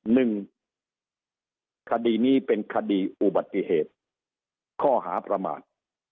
หนึ่งคดีนี้เป็นคดีอุบัติเหตุข้อหาประมาท